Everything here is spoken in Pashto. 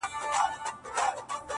څومره دي ښايست ورباندي ټك واهه؛